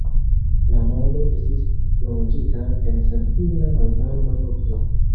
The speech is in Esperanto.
La mondo estis plonĝita en senfina malvarma nokto.